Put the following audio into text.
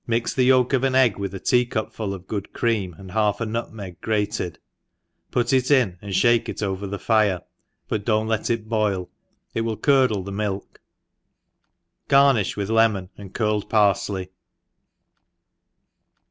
x the yolk of an egg with a tea cupful of good cream, and half a nutmeg grated, put it in, and fhake it AVer the fire, but do not let it boil,'it will curdle the milk : garni(h with lemon, and carlc4 parfley.